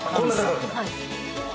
はい。